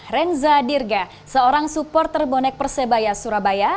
renza dirga seorang supporter bonek persebaya surabaya